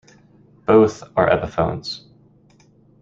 Both are Epiphones.